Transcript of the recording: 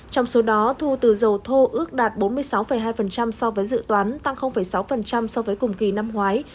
trong số đó thu từ dầu thô ước đạt bốn mươi sáu hai so với dự toán tăng sáu so với cùng kỳ năm ngoái